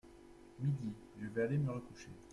Midi… je vais aller me recoucher.